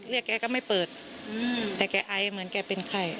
เรียกแกก็ไม่เปิดแต่แกไอเหมือนแกเป็นใคร